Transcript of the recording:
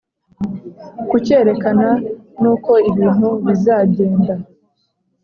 kukerekana nuko ibintu bizagenda